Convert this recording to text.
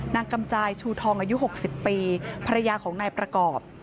กำจายชูทองอายุ๖๐ปีภรรยาของนายประกอบ